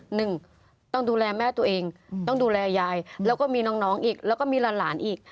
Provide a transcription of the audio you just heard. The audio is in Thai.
หนึ่งต้องดูแลแม่ตัวเองต้องดูแลยายแล้วก็มีน้องอีกแล้วก็มีหลานอีก